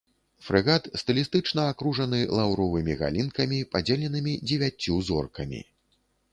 Фрэгат стылістычна акружаны лаўровымі галінкамі, падзеленымі дзевяццю зоркамі.